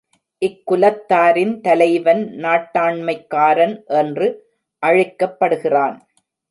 இக்குலத்தாரின் தலைவன் நாட்டாண்மைக்காரன் என்று அழைக்கப்படுகிறான்.